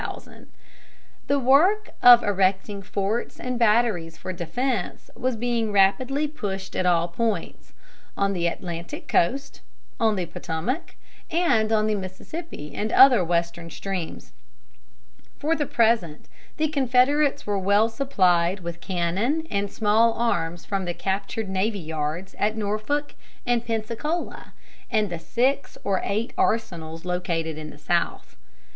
The work of erecting forts and batteries for defense was being rapidly pushed at all points: on the Atlantic coast, on the Potomac, and on the Mississippi and other Western streams. For the present the Confederates were well supplied with cannon and small arms from the captured navy yards at Norfolk and Pensacola and the six or eight arsenals located in the South.